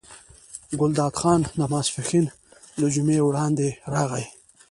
ګلداد خان د ماسپښین له جمعې وړاندې راغی.